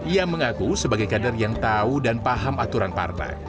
ia mengaku sebagai kader yang tahu dan paham aturan partai